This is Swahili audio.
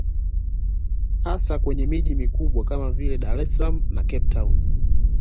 Hasa kwenye miji mikubwa kama vile Dar es salaam na Cape town